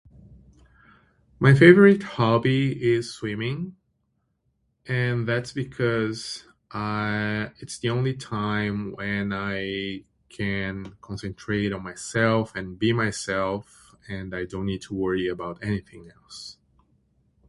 My favorite hobby is swimming and that's because I it's the only time when I can concentrate on myself and be myself and I don't need to worry about anything else.